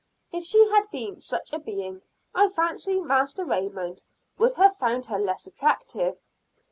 If she had been such a being, I fancy Master Raymond would have found her less attractive.